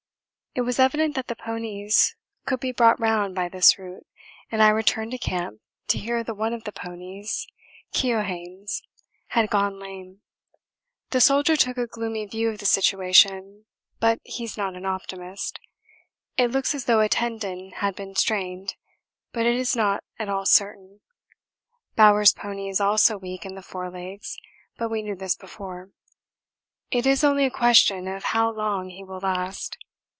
It was evident that the ponies could be brought round by this route, and I returned to camp to hear that one of the ponies (Keohane's) had gone lame. The Soldier took a gloomy view of the situation, but he is not an optimist. It looks as though a tendon had been strained, but it is not at all certain. Bowers' pony is also weak in the forelegs, but we knew this before: it is only a question of how long he will last.